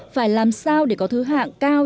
phải làm sao để có thứ hạng cao